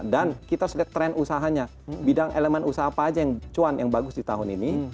kita sudah lihat tren usahanya bidang elemen usaha apa aja yang cuan yang bagus di tahun ini